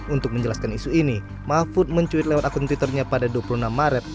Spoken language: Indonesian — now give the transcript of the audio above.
untuk menjelaskan isu ini mahfud mencuit lewat akun twitternya pada dua puluh enam maret